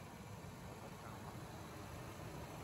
各位嘉賓